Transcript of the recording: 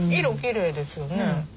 色きれいですよね。